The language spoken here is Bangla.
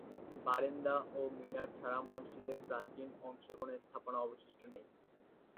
বারান্দা ও মিনার ছাড়া মসজিদের প্রাচীন অংশের কোনো স্থাপনা অবশিষ্ট নেই।